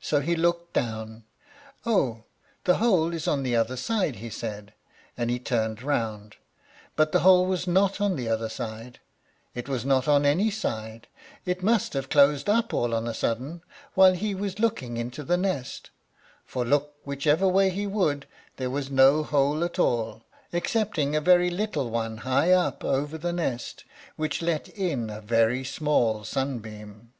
So he looked down. "Oh, the hole is on the other side," he said; and he turned round, but the hole was not on the other side; it was not on any side; it must have closed up all on a sudden, while he was looking into the nest, for, look whichever way he would, there was no hole at all, excepting a very little one high up over the nest, which let in a very small sunbeam.